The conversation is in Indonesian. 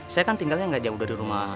saya kan tinggalnya nggak jauh dari rumah